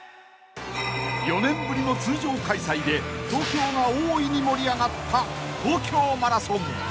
［４年ぶりの通常開催で東京が大いに盛り上がった東京マラソン］